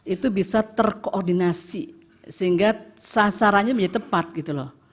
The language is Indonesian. itu bisa terkoordinasi sehingga sasarannya menjadi tepat gitu loh